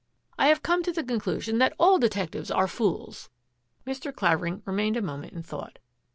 I have come to the conclusion that all detec tives are fools." Mr. Clavering remained a moment in thought.